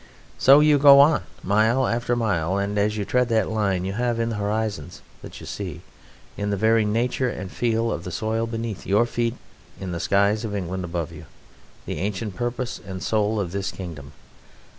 So you go on mile after mile, and as you tread that line you have in the horizons that you see, in the very nature and feel of the soil beneath your feet, in the skies of England above you, the ancient purpose and soul of this Kingdom.